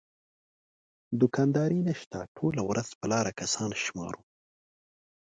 دوکانداري نشته ټوله ورځ په لاره کسان شمارو.